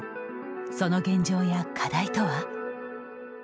その現状や課題とは？